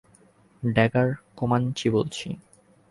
Dagger, Comanche বলছি।